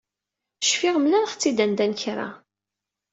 Cfiɣ mlaleɣ-tt-id anda n kra.